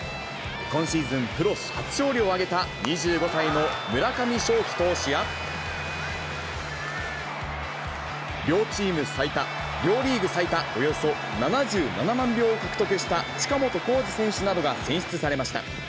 今シーズンプロ初勝利を挙げた２５歳の村上頌樹投手や、両チーム最多、両リーグ最多およそ７７万票を獲得した近本光司選手などが選出されました。